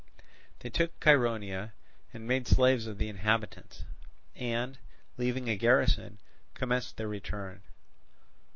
They took Chaeronea, and made slaves of the inhabitants, and, leaving a garrison, commenced their return.